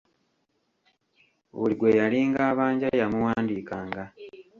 Buli gwe yalinga abanja yamuwandiikanga.